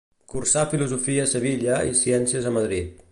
Cursà filosofia a Sevilla i ciències a Madrid.